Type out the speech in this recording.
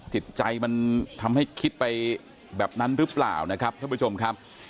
จิตใจมันทำให้คิดไปแบบนั้นหรือเปล่านะครับท่านผู้ชมครับ